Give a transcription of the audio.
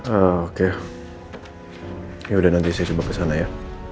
oke yaudah nanti saya coba kesana ya